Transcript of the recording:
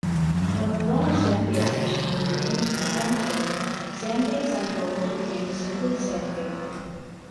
When the former Sandgate station was renamed Shorncliffe, Sandgate Central was renamed simply Sandgate.